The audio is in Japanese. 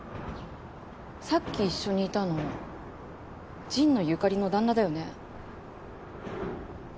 さっき一緒にいたの神野由香里の旦那だよね？